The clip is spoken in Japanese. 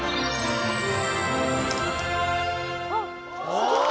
すごい。